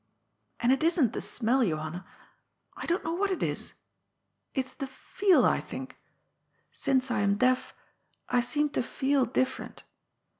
And it isn't the smell, Johanna. I don't know what it is. It's the feel, I think. Since I am deaf, I seem to feel different.